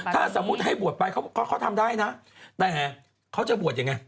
ถ้าสมมุติให้บวชไปเขาทำได้นะแต่เขาจะบวชยังไง